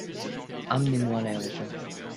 Emmenez-moi à l'aéroport.